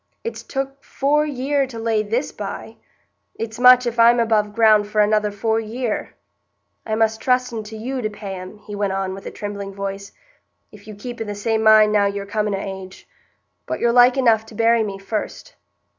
It's took four year to lay this by; it's much if I'm above ground for another four year. I must trusten to you to pay 'em," he went on, with a trembling voice, "if you keep i' the same mind now you're coming o' age. But you're like enough to bury me first."